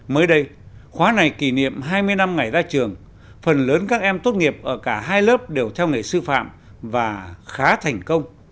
mới đây khóa này kỷ niệm hai mươi năm ngày ra trường phần lớn các em tốt nghiệp ở cả hai lớp đều theo nghề sư phạm và khá thành công